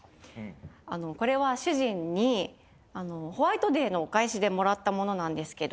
あのこれは主人にホワイトデーのお返しで貰ったものなんですけど。